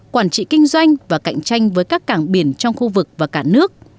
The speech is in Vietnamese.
quản trị kinh doanh và cạnh tranh với các cảng biển trong khu vực và cả nước